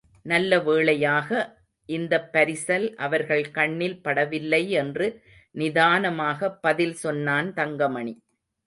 நல்ல வேளையாக இந்தப் பரிசல் அவர்கள் கண்ணில் படவில்லை என்று நிதானமாகப் பதில் சொன்னான் தங்கமணி.